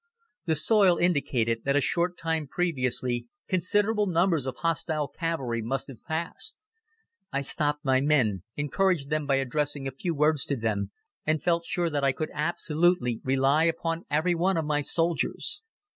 The soil indicated that a short time previously considerable numbers of hostile cavalry must have passed. I stopped my men, encouraged them by addressing a few words to them, and felt sure that I could absolutely rely upon everyone of my soldiers.